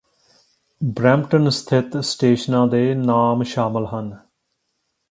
Brampton ਸਥਿੱਤ ਸਟੇਸ਼ਨਾਂ ਦੇ ਨਾਮ ਸ਼ਾਮਿਲ ਹਨ